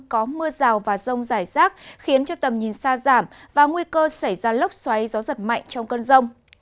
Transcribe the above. có mưa rào và rông rải rác khiến cho tầm nhìn xa giảm và nguy cơ xảy ra lốc xoáy gió giật mạnh trong cơn rông